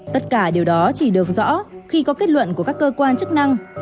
tất cả điều đó chỉ được rõ khi có kết luận của các cơ quan chức năng